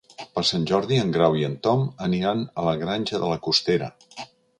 Per Sant Jordi en Grau i en Tom aniran a la Granja de la Costera.